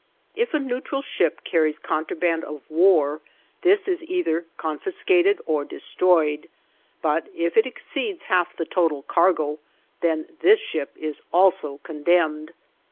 If a neutral ship carries contraband of war, this is either confiscated or destroyed, but if it exceeds half the total cargo, then this ship is also condemned.